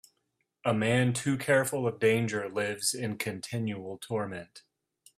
A man too careful of danger lives in continual torment.